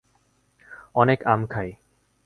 অনেক আম খাই।